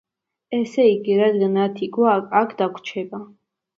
ესე იგი, რადგან ათი გვაქვს, აქ დაგვრჩება.